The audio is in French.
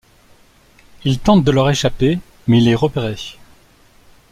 Il tente de leur échapper mais il est repéré.